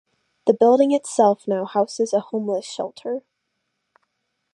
The building itself now houses a homeless shelter.